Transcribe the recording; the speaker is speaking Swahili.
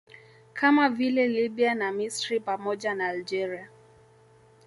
Kama vile Lbya na Misri pamoja na Algeria